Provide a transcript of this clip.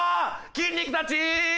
筋肉たち！